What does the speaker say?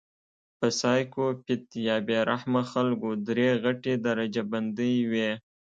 پۀ سايکو پېت يا بې رحمه خلکو درې غټې درجه بندۍ وي